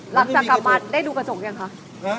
หลังจากกลับมาได้ดูประสงค์ยังคะ